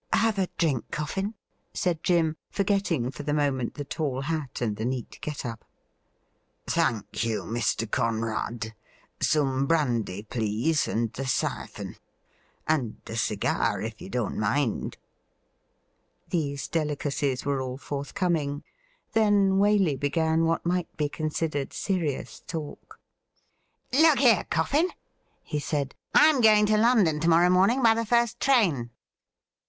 Have a drink. Coffin ?' said Jim, forgetting for the moment the tall hat and the neat get up. ' Thank you, Mr. Conrad ; some brandy, please, and the syphon ; and a cigar, if you don't mind.' These delicacies were all forthcoming. Then Waley began what might be considered serious talk. ' Look here. Coffin,' he said, ' I am going to London to morrow morning by the first train.'